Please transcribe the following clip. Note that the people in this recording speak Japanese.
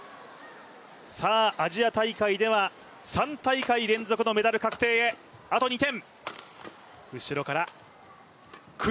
さあ、アジア大会では３大会連続のメダル確定へあと２点。